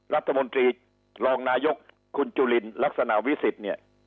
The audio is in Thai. รัฐมนตรีรองนายกคุณจุลินลักษณะวิสิทธิ์เนี่ย